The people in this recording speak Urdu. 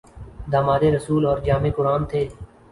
داماد رسول اور جامع قرآن تھے